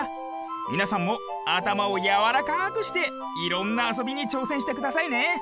みなさんもあたまをやわらかくしていろんなあそびにちょうせんしてくださいね。